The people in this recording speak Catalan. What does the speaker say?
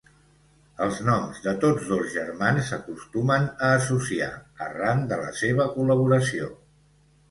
Els noms de tots dos germans s'acostumen a associar, arran de la seva col·laboració.